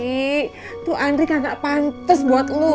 tapi tuh andri kagak pantes buat lo